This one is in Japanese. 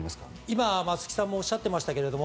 今、松木さんもおっしゃってましたけど